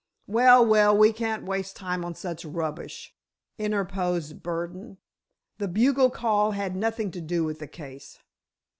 "Well, well, we can't waste time on such rubbish," interposed Burdon, "the bugle call had nothing to do with the case."